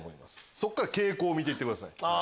そこから傾向を見て行ってください。